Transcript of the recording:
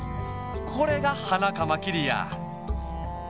これがハナカマキリや。